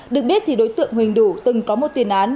được biết thì đối tượng huỳnh đủ từng có một tiền án